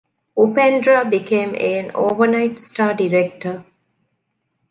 Upendra became an overnight star director.